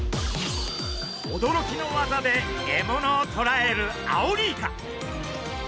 驚きの技で獲物をとらえるアオリイカ。